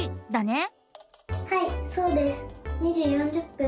はいそうです。